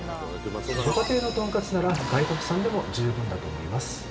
ご家庭のトンカツなら外国産でも十分だと思います。